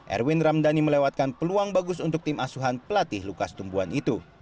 erwin ramdhani melewatkan peluang bagus untuk tim asuhan pelatih lukas tumbuhan itu